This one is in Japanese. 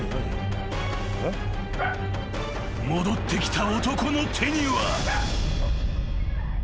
［戻ってきた男の手には］